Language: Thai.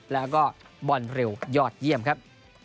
แล้วก็บอลเร็วยอดเยี่ยมครับ